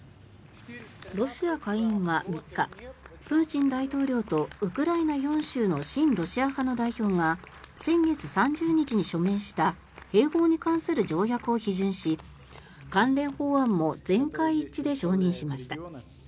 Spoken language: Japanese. ロシア下院は３日プーチン大統領とウクライナ４州の親ロシア派の代表が先月３０日に署名した併合に関する条約を批准し関連法案も全会一致で承認しました。